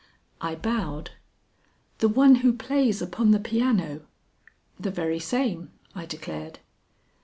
I bowed. "The one who plays upon the piano?" "The very same," I declared.